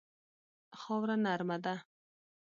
خاوره نرمه ده.